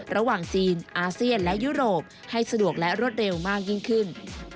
ระหว่างจีนอาเซียนและยุโรปให้สะดวกและรวดเร็วมากยิ่งขึ้น